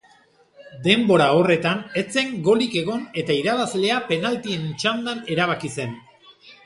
Denbora horretan ez zen golik egon eta irabazlea penaltien txandan erabaki zen.